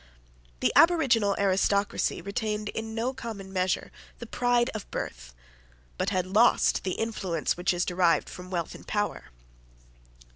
The aboriginal aristocracy retained in no common measure the pride of birth, but had lost the influence which is derived from wealth and power.